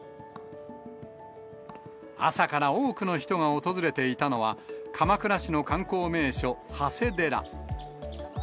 朝から多くの人が訪れていたのは、鎌倉市の観光名所、長谷寺。